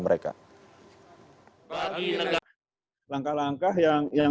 menteri dalam negeri tidak ada satupun